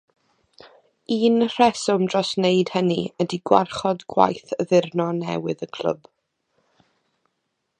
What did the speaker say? Un rheswm dros wneud hynny ydi gwarchod gwaith addurno newydd y clwb.